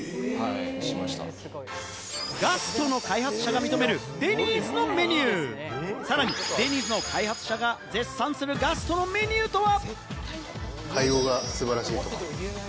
ガストの開発者が認めるデニーズのメニュー、さらにデニーズの開発者が絶賛するガストのメニューとは？